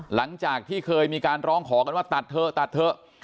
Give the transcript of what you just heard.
หลังจากที่เคยมีการร้องขอกันว่าตัดเถอะตัดเถอะ